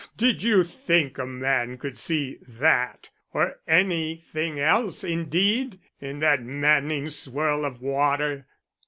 Did you think a man could see that or anything else indeed in that maddening swirl of water?"